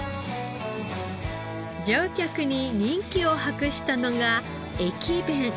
乗客に人気を博したのが駅弁。